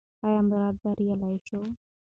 ایا مراد بریالی شو؟